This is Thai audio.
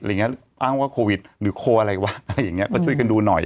เอ้าว่าโควิดหรือโคอะไรวะพอช่วยกันดูหน่อย